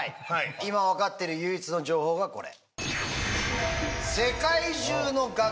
今分かってる唯一の情報がこれ。